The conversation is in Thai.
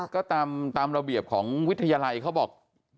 ก็ตามระเบียบของวิทยาลัยเขาบอก